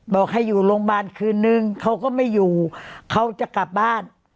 บอกให้อยู่โรงพยาบาลคืนนึงเขาก็ไม่อยู่เขาจะกลับบ้าน